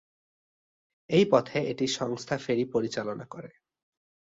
এই পথে এটি সংস্থা ফেরী পরিচালনা করে।